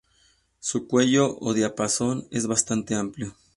Su cuello o diapasón es bastante amplio.